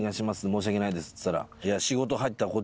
申し訳ないです」っつったら。